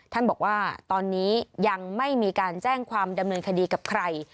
ท่านบอกว่าตอนนี้ยังไม่มีการแจ้งความดำเนินคดีกับใคร